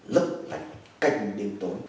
lấp lạch cách đêm tối